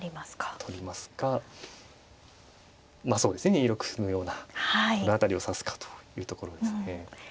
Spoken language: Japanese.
２六歩のようなこの辺りを指すかというところですね。